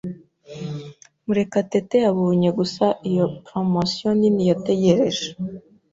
Murekatete yabonye gusa iyo promotion nini yategereje.